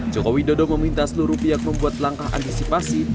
jokowi dodo meminta seluruh pihak membuat langkah antisipasi